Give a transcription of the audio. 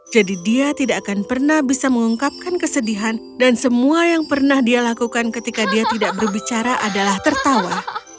jadi dia tidak akan pernah bisa mengungkapkan kesedihan dan semua yang pernah dia lakukan ketika dia tidak berbicara adalah tertawa